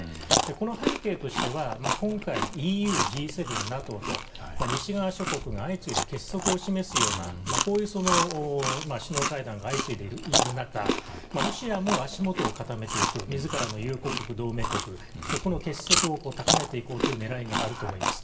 この背景としては今回ＥＵ、Ｇ７、ＮＡＴＯと西側諸国が相次いで結束を示すようなこういう首脳会談が相次いでいる中ロシアも足元を固めていく自らの友好国同盟国、そこの結束を高めていこうという狙いがあるとみられます。